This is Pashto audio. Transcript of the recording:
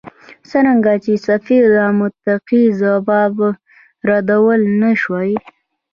څرنګه چې سفیر دا منطقي ځواب ردولای نه شوای.